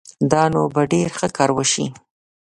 دا نو به ډېر ښه کار وشي